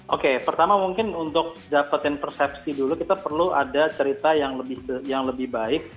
oke pertama mungkin untuk dapetin persepsi dulu kita perlu ada cerita yang lebih baik